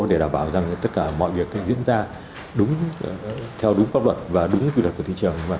để đảm bảo rằng tất cả mọi việc diễn ra đúng theo đúng pháp luật và đúng quy luật của thị trường